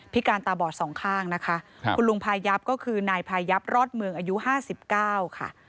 การตาบอดสองข้างนะคะคุณลุงพายับก็คือนายพายับรอดเมืองอายุ๕๙ค่ะ